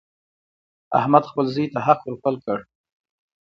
احمد خپل زوی ته حق ور پل کړ.